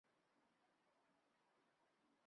为什么我们天生就有尾巴